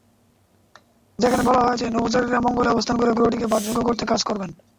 যেখানে বলা হয়েছে, নভোচারীরা মঙ্গলে অবস্থান করে গ্রহটিকে বাসযোগ্য করতে কাজ করবেন।